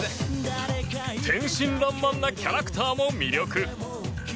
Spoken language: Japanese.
天真爛漫なキャラクターも魅力。